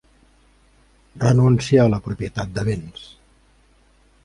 Renúncia a la propietat de béns.